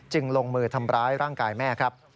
ลงมือทำร้ายร่างกายแม่ครับ